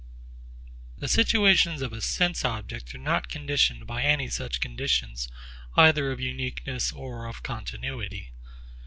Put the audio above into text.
The situations of a sense object are not conditioned by any such conditions either of uniqueness or of continuity.